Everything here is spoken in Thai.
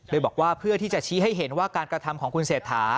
โดยบอกว่าเพื่อที่จะชี้ให้เห็นว่าการกระทำของคุณเศรษฐา